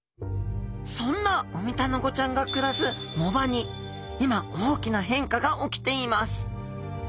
そんなウミタナゴちゃんが暮らす藻場に今大きな変化が起きています。